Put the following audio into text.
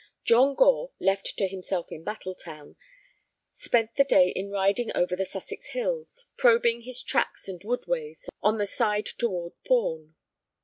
John Gore, left to himself in Battle Town, spent the day in riding over the Sussex hills, probing the tracks and woodways on the side toward Thorn.